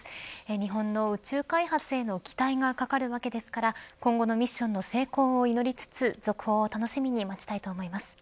日本の宇宙開発への期待がかかるわけですから今後のミッションの成功を祈りつつ続報を楽しみに待ちたいと思います。